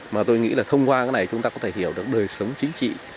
mà tôi nghĩ là thông qua cái này chúng ta có thể hiểu được đời sống chính trị